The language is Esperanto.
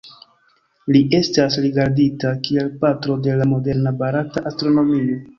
Li estas rigardita kiel "Patro de la moderna barata astronomio".